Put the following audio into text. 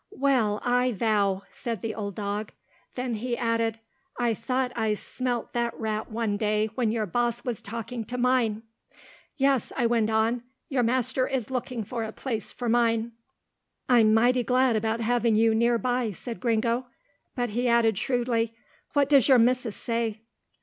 "Well, I vow," said the old dog. Then he added, "I thought I smelt that rat one day when your boss was talking to mine." "Yes," I went on, "your master is looking for a place for mine." "I'm mighty glad about having you near by," said Gringo, but he added shrewdly, "what does your missis say?"